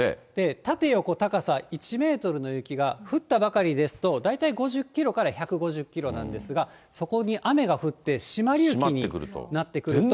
縦横高さ１メートルの雪が降ったばかりですと大体５０キロから１５０キロなんですが、そこに雨が降ってしまり雪になってくると。